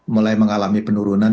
mulai mengalami penurunan